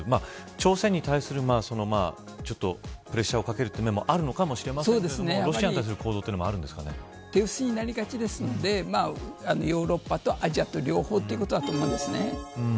朝鮮に対するプレッシャーをかけるという面もあるのかもしれませんがロシアに対する行動も手薄になりがちですのでヨーロッパとアジア両方だということだと思います。